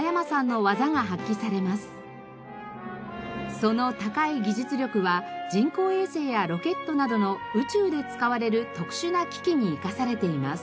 その高い技術力は人工衛星やロケットなどの宇宙で使われる特殊な機器に生かされています。